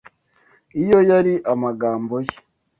Iyo yari amagambo ye.)